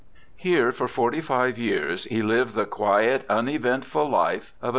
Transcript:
Here for forty five years he lived the quiet, uneventful life of a student s«i*^ a4.